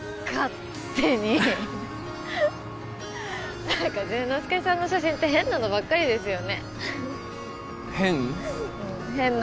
勝手に何か潤之介さんの写真って変なのばっかりですよね変？